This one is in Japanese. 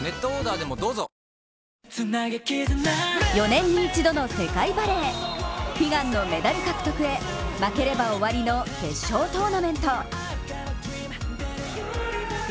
４年に１度の世界バレー、悲願のメダル獲得へ、負ければ終わりの決勝トーナメント。